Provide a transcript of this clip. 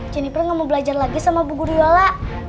jeniper nggak mau belajar lagi sama bu guru yola